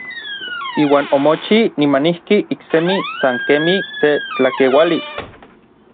Iuan omochij nimanijki iksemi san kemij se tlakeuali.